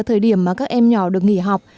thời điểm mà các em nhỏ được nghỉ học